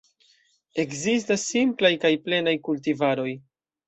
Ekzistas simplaj kaj plenaj kultivaroj.